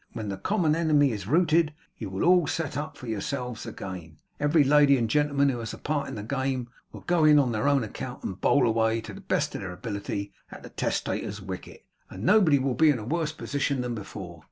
When the common enemy is routed, you will all set up for yourselves again; every lady and gentleman who has a part in the game, will go in on their own account and bowl away, to the best of their ability, at the testator's wicket, and nobody will be in a worse position than before.